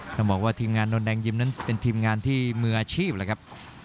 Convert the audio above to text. ต้องบอกว่าทีมงานนนแดงยิ้มนั้นเป็นทีมงานที่มืออาชีพเลยครับ